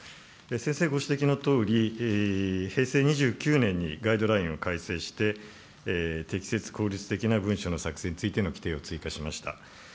せんせい、ご指摘のとおり、平成２９年にガイドラインを改正して、適切、効率的な文書の作成についての規定を追加しました。